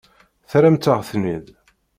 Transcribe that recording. Terramt-aɣ-ten-id.